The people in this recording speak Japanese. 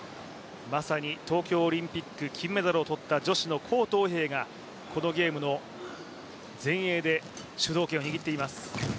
まさに東京オリンピック金メダルを取った女子の黄東萍がこのゲームの前衛で主導権を握っています。